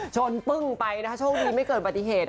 ชนปึ้งไปโชคดีไม่เกินปฏิเหตุ